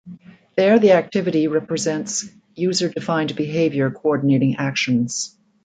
There the activity represents user-defined behavior coordinating actions.